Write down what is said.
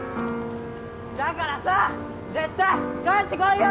だからさ絶対帰ってこいよ！